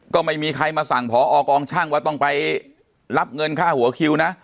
ก็ไม่มีใครมาสั่งพอกองช่างว่าต้องไปรับเงินค่าหัวคิวนะ